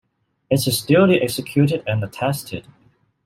It is duly executed and attested.